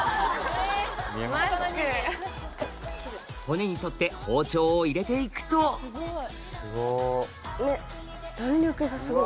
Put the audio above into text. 骨に沿って包丁を入れていくとすごっ！